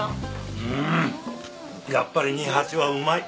うんやっぱり二八はうまい。